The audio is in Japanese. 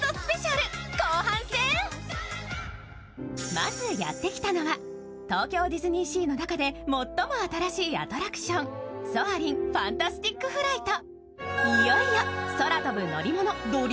まずやってきたのは、東京ディズニーシーの中で最も新しいアトラクションソアリン：ファンタスティック・フライト。